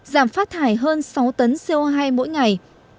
giảm phát thải hơn sáu tấn co hai mỗi ngày